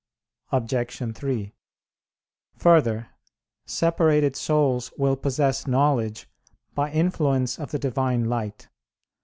Obj. 3: Further, separated souls will possess knowledge by influence of the Divine light.